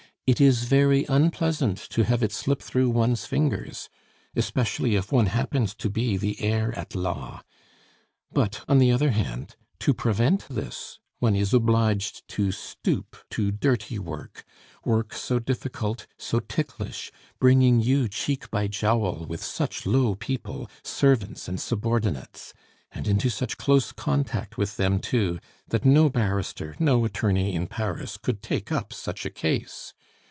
it is very unpleasant to have it slip through one's fingers, especially if one happens to be the heir at law.... But, on the other hand, to prevent this, one is obliged to stoop to dirty work; work so difficult, so ticklish, bringing you cheek by jowl with such low people, servants and subordinates; and into such close contact with them too, that no barrister, no attorney in Paris could take up such a case.